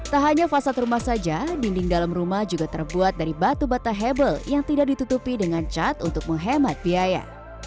tak hanya fasad rumah saja dinding dalam rumah juga terbuat dari batu bata hebel yang tidak ditutupi dengan cat untuk menghemat biaya